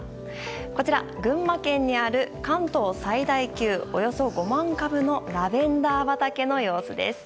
こちら、群馬県にある関東最大級およそ５万株のラベンダー畑の様子です。